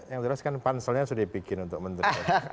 yang terakhir kan panselnya sudah dipikir untuk menteri